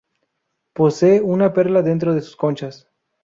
Poseen una perla dentro de sus conchas.